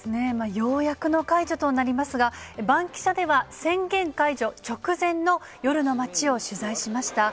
ようやくの解除となりますが、バンキシャでは、宣言解除直前の夜の街を取材しました。